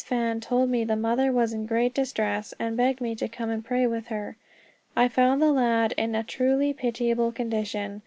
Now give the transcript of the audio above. Fan told me the mother was in great distress, and begged me to come and pray with her. I found the lad in a truly pitiable condition.